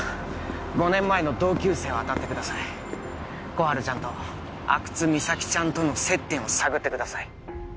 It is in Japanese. ５年前の同級生を当たってください心春ちゃんと阿久津実咲ちゃんとの接点を探ってください